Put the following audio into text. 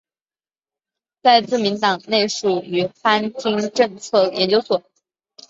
在自民党内属于番町政策研究所。